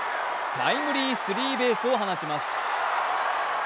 タイムリースリーベースを放ちます。